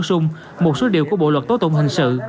bổ sung một số điều của bộ luật tố tụng hình sự